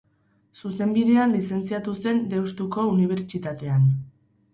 Zuzenbidean lizentziatu zen Deustuko Unibertsitatean.